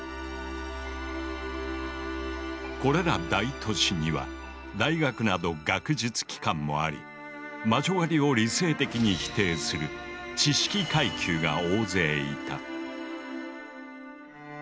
これら大都市には大学など学術機関もあり魔女狩りを理性的に否定する知識階級が大勢いた。